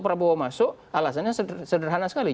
prabowo masuk alasannya sederhana sekali